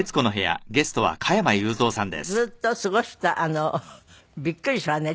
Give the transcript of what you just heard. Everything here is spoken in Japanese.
あなたがずっと過ごしたびっくりするわね。